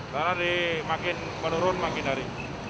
karena makin menurun makin lari